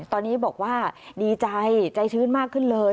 ตอนนี้บอกว่าดีใจใจชื้นมากขึ้นเลย